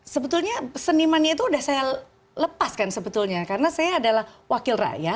sebetulnya senimannya itu sudah saya lepaskan sebetulnya karena saya adalah wakil rakyat